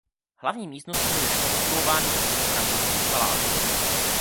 Hlavní místnosti byly rekonstruovány ve stylu francouzských paláců.